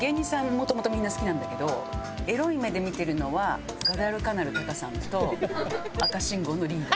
もともとみんな好きなんだけどエロい目で見てるのはガダルカナル・タカさんと赤信号のリーダー。